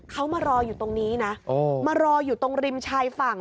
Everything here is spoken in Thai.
เขามารออยู่ตรงนี้นะมารออยู่ตรงริมชายฝั่ง